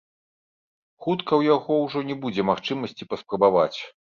Хутка ў яго ўжо не будзе магчымасці паспрабаваць.